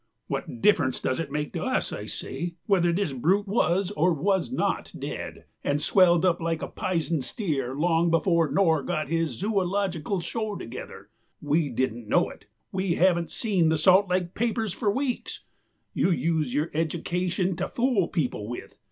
"What difference does it make to us, I say, whether this brute was or was not dead and swelled up like a pizen'd steer long before Nore got his zoologickle show together? We didn't know it. We haven't seen the Salt Lake papers for weeks. You use your edjecation to fool people with.